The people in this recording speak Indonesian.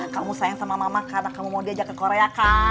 kamu sayang sama mama karena kamu mau diajak ke korea kak